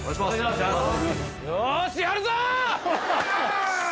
よーし、やるぞ！